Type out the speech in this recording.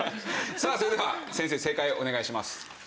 さあそれでは先生正解をお願いします。